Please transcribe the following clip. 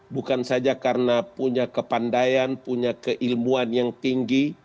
bukan saja karena punya kepandaian punya keilmuan yang tinggi